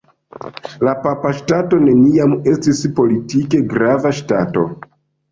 La Papa Ŝtato neniam estis politike grava ŝtato.